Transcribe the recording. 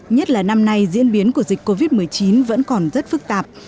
nhất là năm nay diễn biến của dịch covid một mươi chín vẫn còn rất phức tạp